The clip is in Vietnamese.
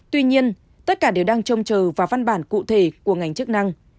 tuy nhiên tất cả đều đang trông chờ vào văn bản cụ thể của ngành chức năng